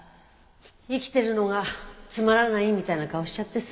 生きてるのがつまらないみたいな顔しちゃってさ。